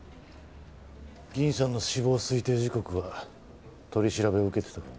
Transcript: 銀さんの死亡推定時刻は取り調べを受けてたからな。